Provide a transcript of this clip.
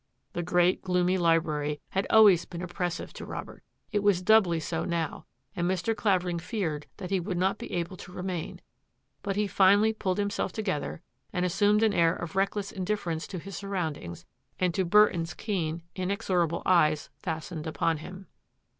The great, gloomy library had always been oppressive to Robert. It was doubly so now, and Mr. Clavering feared that he would not be able to remain, but he finally pulled himself togetlier and assumed an air of reckless indifference to his surroundings and to Burton's keen, inexorable eyes fastened upon him.